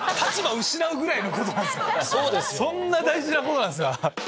そんな大事なことなんすか！